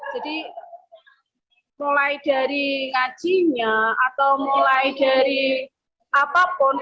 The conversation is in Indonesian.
jadi mulai dari ngajinya atau mulai dari apapun